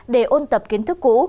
để ôn tập kiến thức cũ